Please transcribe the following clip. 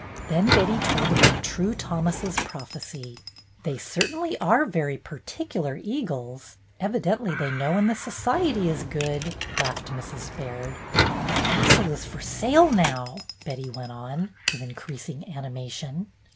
Then Betty told about True Thomas's prophecy. "They certainly are very particular eagles. Evidently they know when the society is good," laughed Mrs. Baird. "The castle is for sale now," Betty went on, MANY A TRUE WORD 17 with increasing animation.